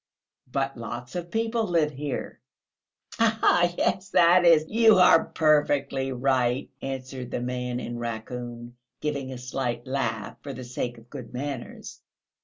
"But ... lots of people live here." "Yes, that is, you are perfectly right," answered the gentleman in raccoon, giving a slight laugh for the sake of good manners.